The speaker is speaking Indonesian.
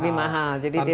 lebih mahal jadi tidak